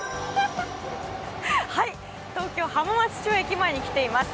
東京・浜松町駅前に来ています。